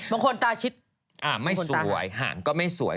บางคนตาชิดไม่สวยห่างก็ไม่สวย